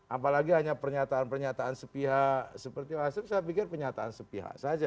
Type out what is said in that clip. apalagi hanya pernyataan pernyataan sepihak seperti pak hasim saya pikir pernyataan sepihak saja